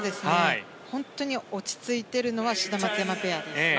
本当に落ち着いているのは志田・松山ペアです。